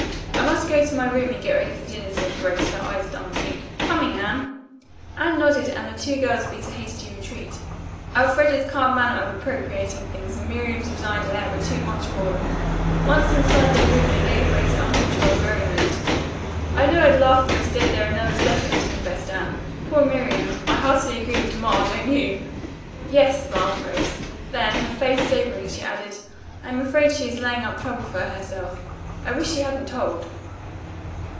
"I must go to my room and get ready for dinner," said Grace, her eyes dancing. "Coming, Anne?" Anne nodded and the two girls beat a hasty retreat. Elfreda's calm manner of appropriating things and Miriam's resigned air were too much for them. Once inside their room they gave way to uncontrolled merriment. "I knew I'd laugh if I stayed there another second," confessed Anne. "Poor Miriam. I heartily agree with Ma, don't you?" "Yes," smiled Grace. Then, her face sobering, she added, "I am afraid she is laying up trouble for herself. I wish she hadn't told."